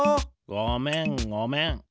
ごめんごめん。